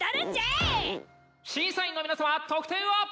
審査員の皆さま得点を！